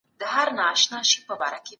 څېړنه د پوهاوي دروازه پرانیزي.